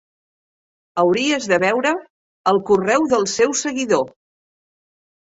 Hauries de veure el correu del seu seguidor!